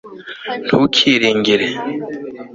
Ntukiringire